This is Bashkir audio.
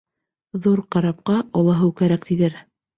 Ҙур карапҡа оло һыу кәрәк, тиҙәр.